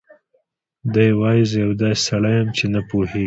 دی وايي: "زه یو داسې سړی یم چې نه پوهېږي